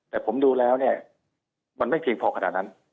แต่ผมดูแล้วเนี่ยมันไม่เพียงพอขนาดนั้น